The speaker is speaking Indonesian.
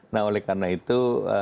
nah oleh karena itu